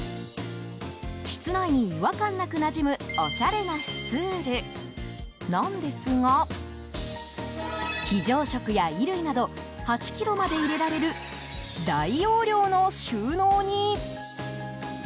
室内に違和感なくなじむおしゃれなスツールなんですが非常食や衣類など、８ｋｇまで入れられる大容量の収納に。